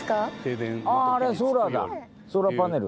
ソーラーパネル。